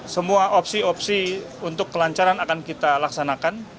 semua opsi opsi untuk kelancaran akan kita laksanakan